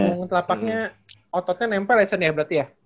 punggung telapaknya ototnya nempel ya sen ya berarti ya